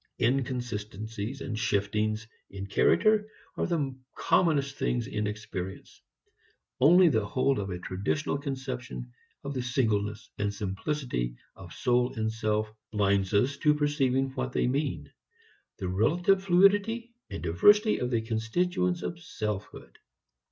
Inconsistencies and shiftings in character are the commonest things in experience. Only the hold of a traditional conception of the singleness and simplicity of soul and self blinds us to perceiving what they mean: the relative fluidity and diversity of the constituents of selfhood.